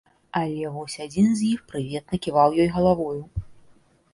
Але вось адзін з іх прыветна ківае ёй галавою.